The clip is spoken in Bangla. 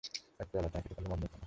এক পেয়লা চা খেতে পারলে মন্দ হত না।